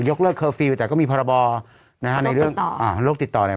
ยกเลิกแต่ก็มีภาระบอนะฮะในเรื่องอ่าโลกติดต่อเลย